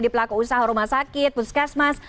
di pelaku usaha rumah sakit puskesmas